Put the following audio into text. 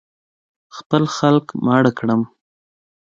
خپل خلک ماړه کړم.